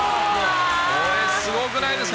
これ、すごくないですか？